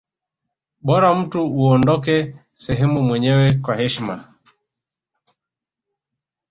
bora mtu uondoke sehemu mwenyewe kwa heshima